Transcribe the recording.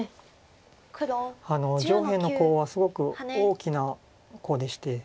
上辺のコウはすごく大きなコウでして。